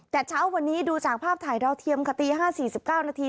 แต่เช้าวันนี้ดูจากภาพถ่ายดาวเทียมค่ะตี๕๔๙นาที